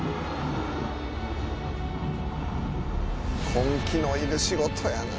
根気のいる仕事やな。